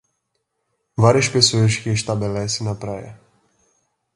Várias pessoas que estabelece na praia.